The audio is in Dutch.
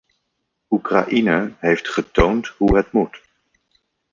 Oekraïne heeft getoond hoe het moet.